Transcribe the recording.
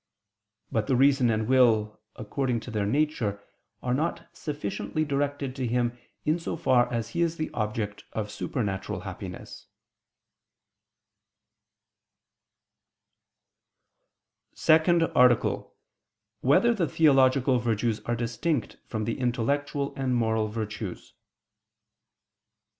But the reason and will, according to their nature, are not sufficiently directed to Him in so far as He is the object of supernatural happiness. ________________________ SECOND ARTICLE [I II, Q. 62, Art. 2] Whether the Theological Virtues Are Distinct from the Intellectual and Moral Virtues?